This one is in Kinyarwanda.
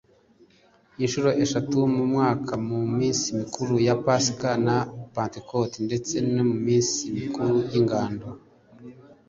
Inshuro eshatu mu mwaka mu minsi mikuru ya Pasika na Pantekote ndetse n'iminsi mikuru y'ingando,